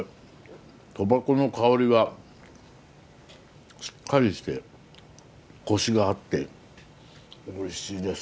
そば粉の香りがしっかりしてコシがあっておいしいです。